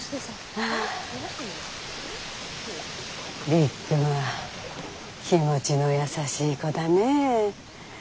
りっくんは気持ちの優しい子だねぇ。